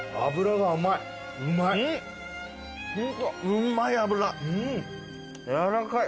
うまい脂やわらかい。